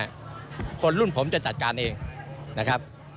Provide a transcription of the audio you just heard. ถังมาเนี่ยคนรุ่นผมจะจัดการเองนะครับ